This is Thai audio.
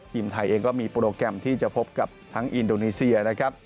ทีมไทยเองก็มีโปรแกรมที่จะพบกับทั้งอินโดนีเซียนะครับ